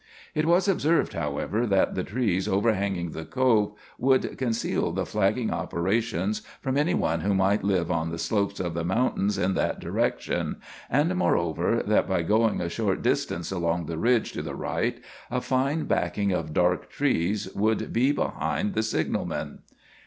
It was observed, however, that the trees overhanging the Cove would conceal the flagging operations from any one who might live on the slopes of the mountains in that direction, and, moreover, that by going a short distance along the ridge to the right a fine backing of dark trees would be behind the signal men.